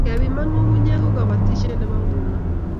kepiman ngungunyek ko kabatishiet nebo nguno